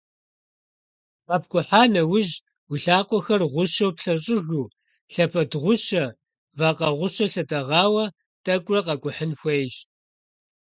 КъэпкӀухьа нэужь, уи лъакъуэхэр гъущэу плъэщӀыжу, лъэпэд гъущэ, вакъэ гъущэ лъытӀэгъауэ тӀэкӀурэ къэкӀухьын хуейщ.